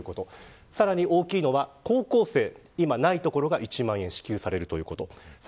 さらに大きいのは高校生がないというところが１万円支給されるようになります。